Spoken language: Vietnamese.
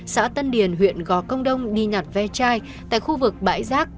xã tân điền huyện gò công đông đi nhặt ve chai tại khu vực bãi rác